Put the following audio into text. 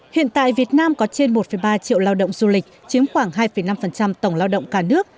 hiện tại việt nam có trên một ba triệu lao động du lịch chiếm khoảng hai năm tổng lao động cả nước